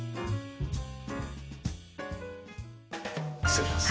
失礼します。